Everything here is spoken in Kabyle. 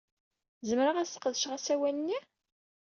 Zemreɣ ad sqedceɣ asawal-nni?